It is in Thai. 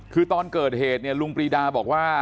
คือตอนเกิดเหตุเนี่ยลุงปรีดาบอกว่า